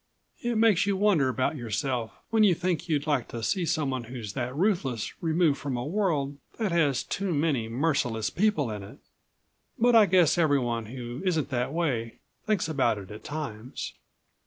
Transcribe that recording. "It makes you wonder about yourself when you even think you'd like to see someone who's that ruthless removed from a world that has too many merciless people in it. But I guess everyone who isn't that way ... thinks about it at times."